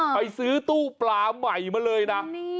ไปซื้อตู้ปลาใหม่มาเลยนะ